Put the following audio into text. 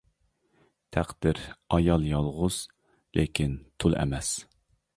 تەقدىر ئايال يالغۇز، لېكىن تۇل ئەمەس.